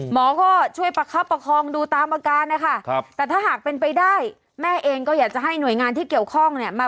หมอก็ช่วยประคับประคองดูตามอาการนะคะแต่ถ้าหากเป็นไปได้แม่เองก็อยากจะให้หน่วยงานที่เกี่ยวข้องเนี่ยมา